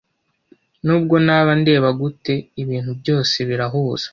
nubwo naba ndeba gute ibintu byose birahuza